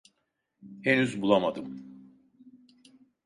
Henüz bulamadım.